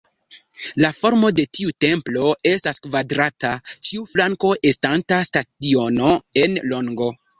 La formo de tiu templo estas kvadrata, ĉiu flanko estanta stadiono en longo.